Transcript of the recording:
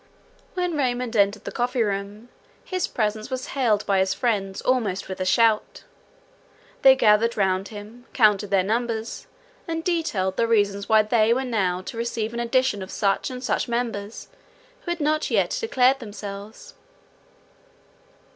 When Raymond entered the coffee room, his presence was hailed by his friends almost with a shout. They gathered round him, counted their numbers, and detailed the reasons why they were now to receive an addition of such and such members, who had not yet declared themselves.